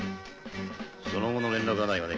その後の連絡はないがね。